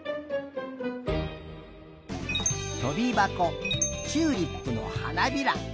とびばこチューリップのはなびら